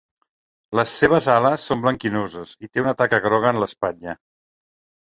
Les seves ales són blanquinoses i té una taca groga en l'espatlla.